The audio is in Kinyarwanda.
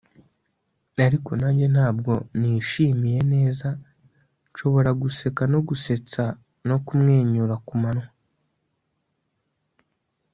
ariko nanjye ntabwo nishimiye neza nshobora guseka no gusetsa no kumwenyura ku manywa